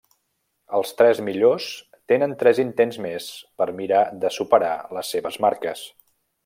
Els tres millors tenen tres intents més per mirar de superar les seves marques.